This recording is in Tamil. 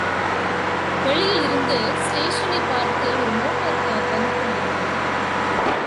வெளியிலிருந்து ஸ்டேஷனைப் பார்த்து ஒரு மோட்டார் கார் வந்து கொண்டிருந்தது.